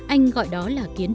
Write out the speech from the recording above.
anh gọi đó là hợp lý